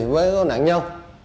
với nạn nhân